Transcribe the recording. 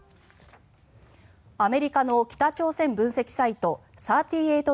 アメリカの北朝鮮分析サイト３８